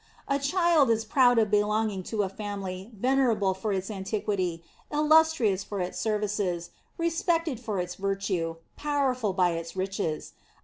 A child is proud of belonging to a family venerable for its antiquity, illustrious for its services, respected for its virtue, powerful, by its riches.